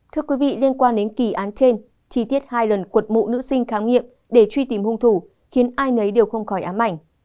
thưa quý vị liên quan đến kỳ án trên chi tiết hai lần cuột mộ nữ sinh khám nghiệm để truy tìm hung thủ khiến ai nấy đều không khỏi ám ảnh